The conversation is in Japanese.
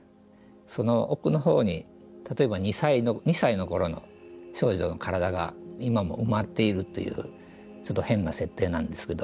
その奥のほうに例えば２歳の頃の少女の体が今も埋まっているというちょっと変な設定なんですけど。